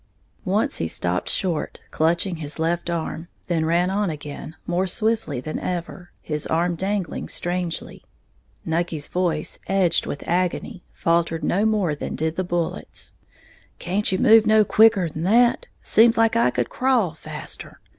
Once he stopped short, clutching his left arm; then ran on again, more swiftly than ever, his arm dangling strangely. Nucky's voice, edged with agony, faltered no more than did the bullets. "Can't you move no quicker'n that? Seems like I could crawl faster!